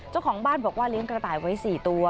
เจ้าของบ้านบอกว่าเลี้ยงกระต่ายไว้๔ตัว